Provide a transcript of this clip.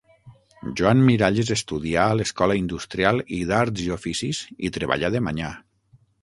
Joan Miralles estudià a l'Escola Industrial i d'Arts i Oficis i treballà de manyà.